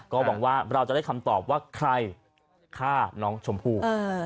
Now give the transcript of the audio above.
ก็หวังว่าเราจะได้คำตอบว่าใครฆ่าน้องชมพู่